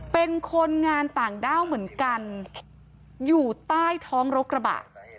เป็นคนงานต่างด้าวเหมือนกันอยู่ใต้ท้องรกระบะ